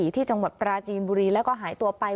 ที่จังหวัดปราจีนบุรีแล้วก็หายตัวไป